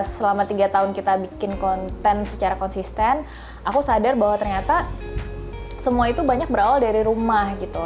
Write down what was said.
selama tiga tahun kita bikin konten secara konsisten aku sadar bahwa ternyata semua itu banyak berawal dari rumah gitu